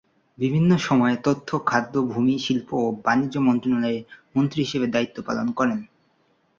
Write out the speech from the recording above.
বিভিন্ন সময়ে তথ্য, খাদ্য, ভূমি, শিল্প ও বাণিজ্য মন্ত্রণালয়ের মন্ত্রী হিসেবে দায়িত্ব পালন করেন।